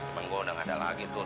temen gua udah gak ada lagi tuh